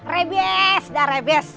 rebes dah rebes